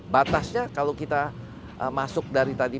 batasnya kalau kita masuk dari tadi